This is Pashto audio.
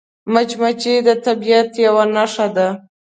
مچمچۍ د طبیعت یوه نښه ده